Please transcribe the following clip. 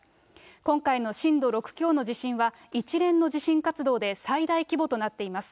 今回の震度６強の地震は、一連の地震活動で最大規模となっています。